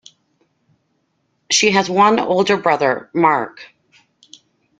She has one older brother, Mark.